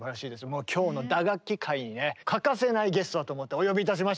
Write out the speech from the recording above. もう今日の「打楽器」回にね欠かせないゲストだと思ってお呼びいたしました。